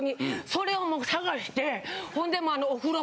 それをもう探してほんで。